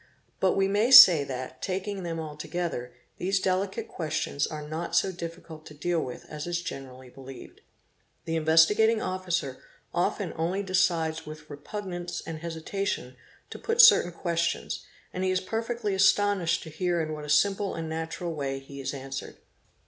But we may say that, taking — them altogether, these delicate questions are not so difficult to deal with as is generally believed ; the Investigating Officer often only decides with repugnance and hesitation to put certain questions, and he is perfectly astonished to hear in what a simple and natural way he is answered.